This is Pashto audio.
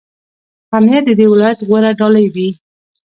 امنیت د دې ولایت غوره ډالۍ وي.